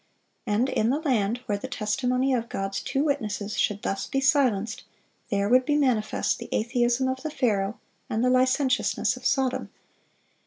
And in the land where the testimony of God's two witnesses should thus be silenced, there would be manifest the atheism of the Pharaoh and the licentiousness of Sodom.